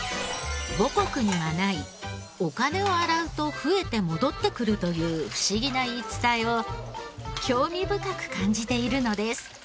母国にはないお金を洗うと増えて戻ってくるという不思議な言い伝えを興味深く感じているのです。